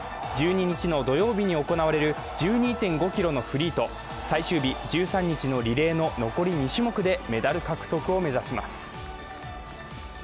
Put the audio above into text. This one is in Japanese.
１２日の土曜日に行われる１２．５ｋｍのフリーと最終日、１３日のリレーの残り２種目でメダル獲得を目指します。